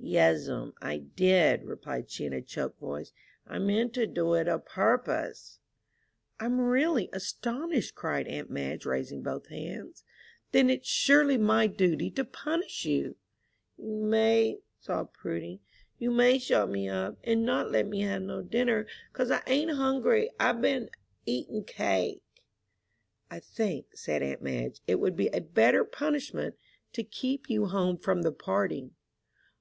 "Yes'm, I did," replied she, in a choked voice, "I meant to do it a purpose." "I'm really astonished," cried aunt Madge, raising both hands. "Then it's surely my duty to punish you." "You may," sobbed Prudy. "You may shut me up, and not let me have no dinner, 'cause I ain't hungry. I've been eatin' cake!" "I think," said aunt Madge, "it would be a better punishment to keep you home from the party."